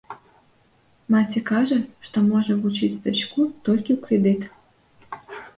Маці кажа, што можа вучыць дачку толькі ў крэдыт.